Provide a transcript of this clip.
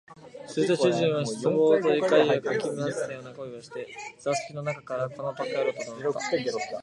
すると主人は失望と怒りを掻き交ぜたような声をして、座敷の中から「この馬鹿野郎」と怒鳴った